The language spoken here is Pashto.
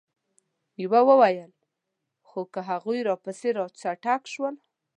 يوه وويل: خو که هغوی راپسې را چټک شول؟